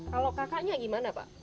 kalau kakaknya gimana pak